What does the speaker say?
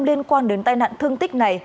liên quan đến tài nạn thương tích này